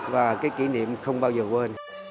nhưng mà không bao giờ quên